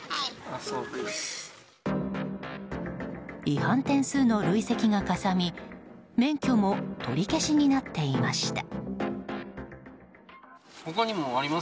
違反点数の累積がかさみ免許も取り消しになっていました。